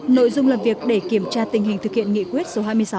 nội dung làm việc để kiểm tra tình hình thực hiện nghị quyết số hai mươi sáu